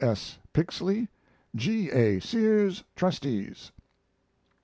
S. PIXLEY, G. A. SEARS, Trustees.